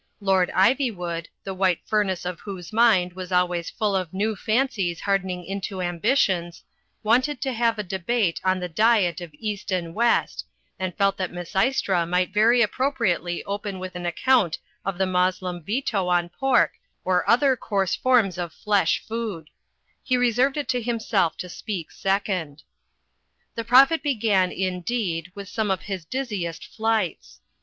Lord Ivywood, the white fur nace of whose mind was always full of new fancies hardening into ambitions, wanted to have a debate on the diet of East and West, and felt that Misysra might very appropriately open with an account of the Mos lem veto on pork or other coarse forms of flesh food He reserved it to himself to speak second. The Prophet began, indeed, with some of his diz u,y,u.«ubyGOOgL 126 THE FLYING INN ziest flights.